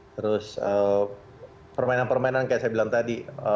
terus permainan permainan kayak saya bilang tadi